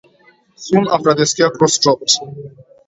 Soon after the Scarecrow stopped.